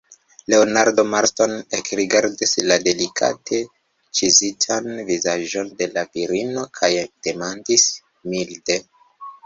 Leonardo Marston ekrigardis la delikate ĉizitan vizaĝon de la virino, kaj demandis milde: